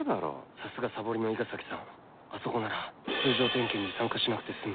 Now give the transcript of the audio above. さすがサボりの伊賀崎さんあそこなら通常点検に参加しなくて済む